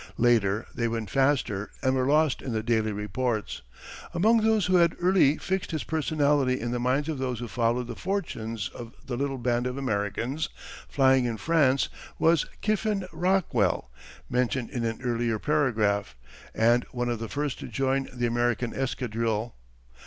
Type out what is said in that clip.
Later they went faster and were lost in the daily reports. Among those who had early fixed his personality in the minds of those who followed the fortunes of the little band of Americans flying in France was Kiffen Rockwell, mentioned in an earlier paragraph, and one of the first to join the American escadrille.